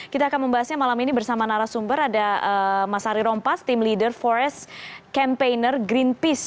kita akan membahasnya malam ini bersama narasumber ada mas ari rompas tim leader forest campaigner greenpeace